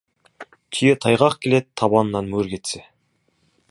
Түйе тайғақ келеді, табанынан мөр кетсе.